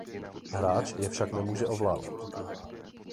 Hráč je však nemůže ovládat.